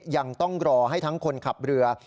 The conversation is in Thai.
ยังต้องรอให้ทั้งคนขับเรือ